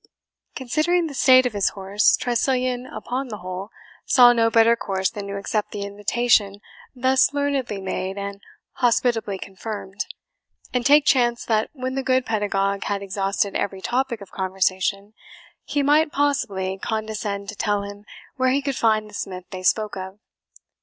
Considering the state of his horse, Tressilian, upon the whole, saw no better course than to accept the invitation thus learnedly made and hospitably confirmed, and take chance that when the good pedagogue had exhausted every topic of conversation, he might possibly condescend to tell him where he could find the smith they spoke of.